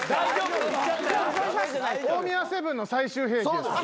大宮セブンの最終兵器。